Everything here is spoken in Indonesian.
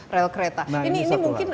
rel kereta ini mungkin